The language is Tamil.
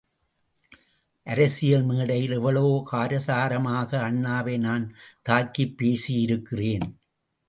அரசியல் மேடையில் எவ்வளவோ காரசாரமாக அண்ணாவை நான் தாக்கிப் பேசியிருக்கிறேன்.